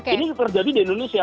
ini terjadi di indonesia